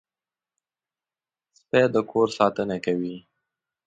سپي د کور ساتنه کوي.